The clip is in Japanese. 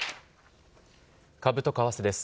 株と為替です。